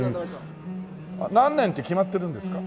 何年って決まってるんですか？